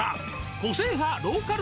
個性派ローカル